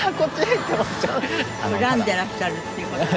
恨んでらっしゃるっていう事で。